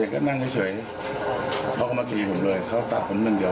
จะแค่นั่งเฉยเค้ามันเกลียดผมเลยเค้าฟังหนึ่งเดี๋ยว